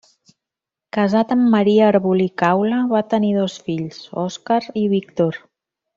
Casat amb Maria Arbolí Caula, va tenir dos fills, Òscar i Víctor.